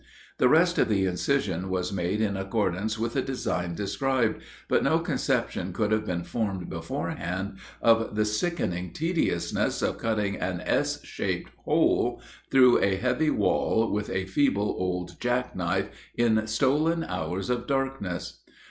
The rest of the incision was made in accordance with the design described, but no conception could have been formed beforehand of the sickening tediousness of cutting an S shaped hole through a heavy wall with a feeble old jack knife, in stolen hours of darkness.